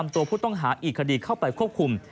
ตัวผู้ต้องหาอีกคดีเข้าไปควบคุม